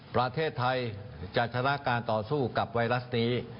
ประเทศไทยจะชนะการต่อสู้กับไวรัสนี้